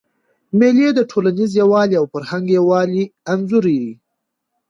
مېلې د ټولنیز یووالي او فرهنګي یووالي انځور يي.